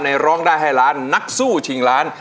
ร้องได้ให้ล้านนักสู้ชิงล้าน